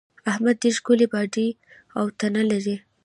احمد ډېره ښکلې باډۍ او تنه لري.